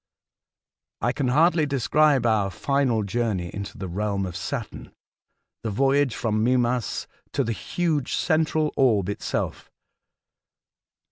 I can hardly describe our final journey into the realm of Saturn — the voyage from Mimas to the huge central orb itself.